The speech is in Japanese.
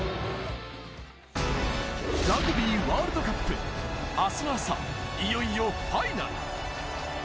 ラグビーワールドカップ、あすの朝、いよいよファイナル。